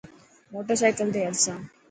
موٽر سائيڪل تي هلسان.